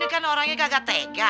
tapi kan orangnya kagak tega